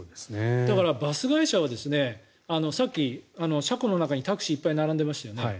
だから、バス会社はさっき車庫の中にタクシーいっぱい並んでましたよね。